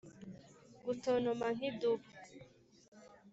gutontoma nk'idubu